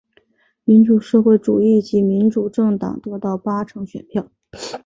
民主社会主义及民主政党得到八成选票。